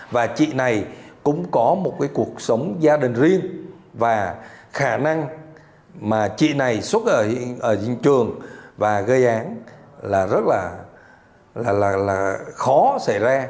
và chị này cũng có một cuộc sống gia đình riêng và khả năng mà chị này xuất ở trường và gây án là rất là khó xảy ra